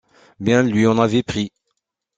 Bien lui en avait pris.